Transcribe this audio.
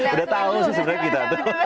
udah tahu sih sebenarnya kita